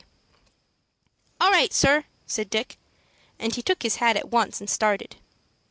"All right, sir," said Dick; and he took his hat at once and started.